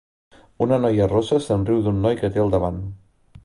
Una noia rossa se'n riu d'un noi que té al davant.